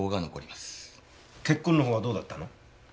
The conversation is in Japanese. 血痕の方はどうだったの？